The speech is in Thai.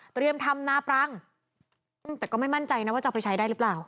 ทำนาปรังแต่ก็ไม่มั่นใจนะว่าจะเอาไปใช้ได้หรือเปล่า